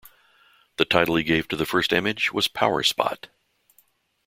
The title he gave to the first image was Power Spot.